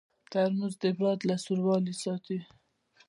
ترموز د باد له سړوالي ساتي.